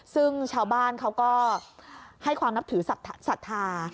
ซึ่งชาวบ้านเขาก็ให้ความนับถือศรัทธา